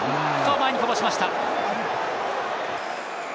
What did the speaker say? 前にこぼしました。